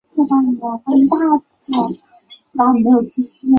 橙嘴蓝脸鲣鸟为鲣鸟科鲣鸟属的一种。